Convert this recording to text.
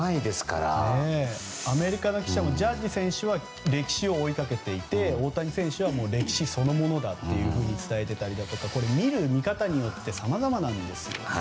アメリカの記者もジャッジ選手は歴史を追いかけていて大谷選手は歴史そのものだというふうに伝えていたりとか見る見方によってさまざまなんですよね。